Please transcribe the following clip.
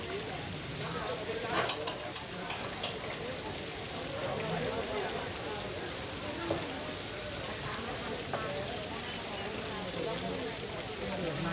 คนของเราอยู่ตรงหน้าประตูครับครับ